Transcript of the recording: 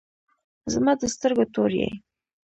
زما د سترګو تور یی